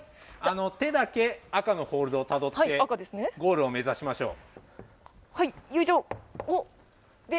手だけ赤のホールドをたどって、ゴールを目指しましょう。